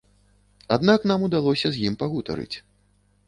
Аднак нам удалося з ім пагутарыць.